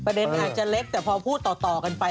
ประเด็นอาจจะเล็กแต่พอพูดต่อกันไป